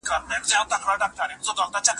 چې د ماښام تیاره کې